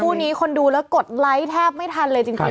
คู่นี้คนดูแล้วกดไลค์แทบไม่ทันเลยจริง